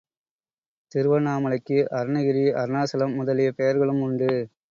திருவண்ணாமலைக்கு, அருணகிரி அருணாசலம் முதலிய பெயர்களும் உண்டு.